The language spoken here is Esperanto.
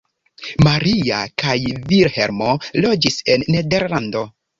Maria kaj Vilhelmo loĝis en Nederlando.